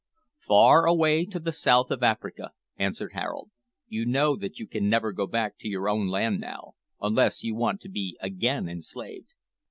"Far away to the south of Africa," answered Harold. "You know that you can never go back to your own land now, unless you want to be again enslaved."